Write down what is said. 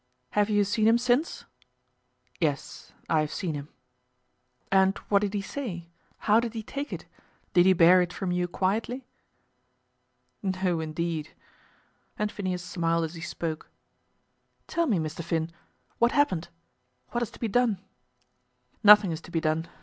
"Have you seen him since?" "Yes; I have seen him." "And what did he say? How did he take it? Did he bear it from you quietly?" "No, indeed;" and Phineas smiled as he spoke. "Tell me, Mr. Finn; what happened? What is to be done?" "Nothing is to be done.